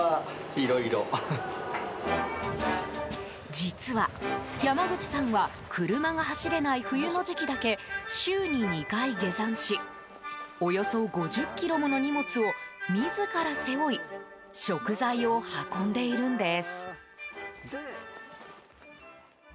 実は、山口さんは車が走れない冬の時期だけ週に２回下山しおよそ５０ｋｇもの荷物を自ら背負い食材を運んでいるんです。